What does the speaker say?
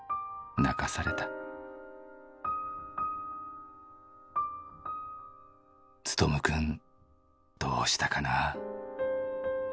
泣かされた」「勉君どうしたかなー」